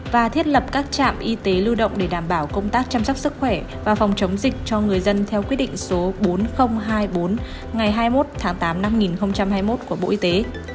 và thiết lập các trạm y tế lưu động để đảm bảo công tác chăm sóc sức khỏe và phòng chống dịch cho người dân theo quyết định số bốn nghìn hai mươi bốn ngày hai mươi một tháng tám năm hai nghìn hai mươi một của bộ y tế